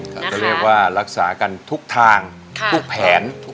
จะเรียกว่ารักษากันทุกทางทุกแผน